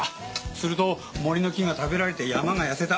すると森の木が食べられて山が痩せた。